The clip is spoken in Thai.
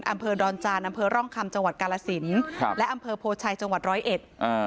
อำเภอดอนจานอำเภอร่องคำจังหวัดกาลสินครับและอำเภอโพชัยจังหวัดร้อยเอ็ดอ่า